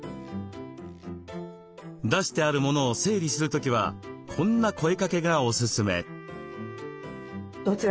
出してある物を整理する時はこんな声かけがおすすめ。